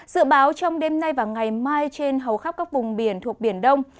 dự báo trong đêm nay và ngày mai trên hầu khắp các vùng biển thuộc biển đông